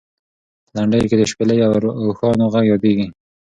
په لنډیو کې د شپېلۍ او اوښانو غږ یادېږي.